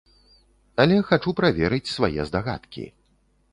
Але хачу праверыць свае здагадкі.